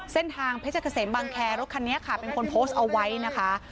เส้นทางเพชรเกษมบังแคร์รถคันนี้ค่ะเป็นคนโพสต์เอาไว้นะคะ